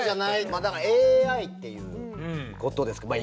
まあだからＡＩっていうことですけどまあ